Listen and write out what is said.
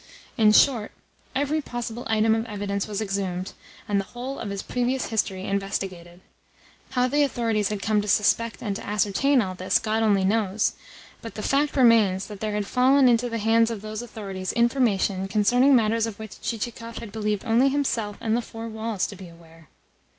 In short, every possible item of evidence was exhumed, and the whole of his previous history investigated. How the authorities had come to suspect and to ascertain all this God only knows, but the fact remains that there had fallen into the hands of those authorities information concerning matters of which Chichikov had believed only himself and the four walls to be aware.